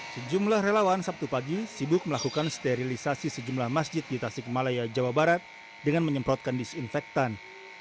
sejumlah relawan sabtu pagi sibuk melakukan sterilisasi sejumlah masjid di tasik malaya jawa barat dengan menyemprotkan disinfektan